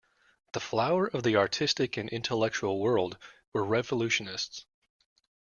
The flower of the artistic and intellectual world were revolutionists.